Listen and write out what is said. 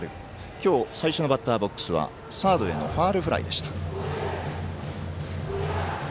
今日最初のバッターボックスはサードへのファウルフライでした。